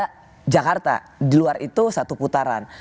karena jakarta di luar itu satu putaran